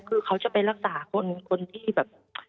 คือเขาจะไปรักษาคนที่แบบ